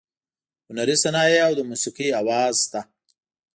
هنري صنایع او د موسیقۍ اواز شته.